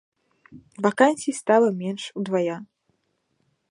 Вакансій стала менш удвая.